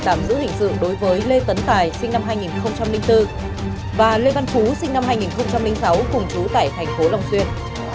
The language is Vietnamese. tạm giữ hình sự đối với lê tấn tài sinh năm hai nghìn bốn và lê văn phú sinh năm hai nghìn sáu cùng chú tại thành phố long xuyên